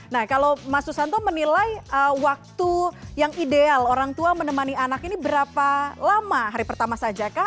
nah kalau mas susanto menilai waktu yang ideal orang tua menemani anak ini berapa lama hari pertama saja kah